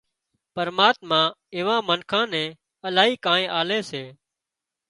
پرماتما ايوان منکان نين الاهي ڪانئين آلي سي